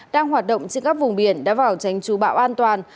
đang hoạt động trên các vùng biển đã vào tránh chú bão an toàn